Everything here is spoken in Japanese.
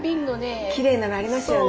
きれいなのありますよね。